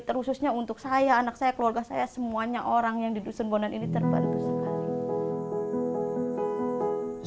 terusnya untuk saya anak saya keluarga saya semuanya orang yang di dusun bondan ini terbantu sekali